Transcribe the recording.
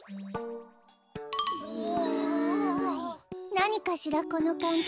なにかしらこのかんじ。